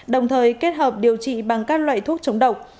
đồng thời kết hợp điều trị bằng các loại thuốc chống độc